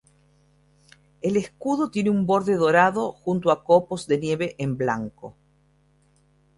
El escudo tiene un borde dorado junto a copos de nieve en blanco.